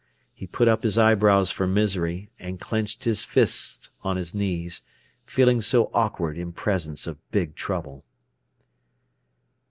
He put up his eyebrows for misery, and clenched his fists on his knees, feeling so awkward in presence of big trouble.